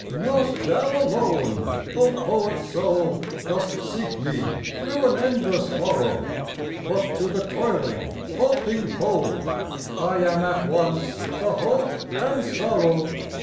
Not thou alone, O poet soul, Dost seek me through an endless morrow, But to the toiling, hoping whole I am at once the hope and sorrow.